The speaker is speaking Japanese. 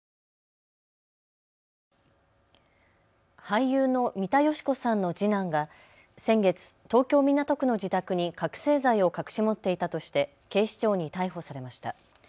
俳優の三田佳子さんの次男が先月、東京港区の自宅に覚醒剤を隠し持っていたとして警視庁に逮捕されました。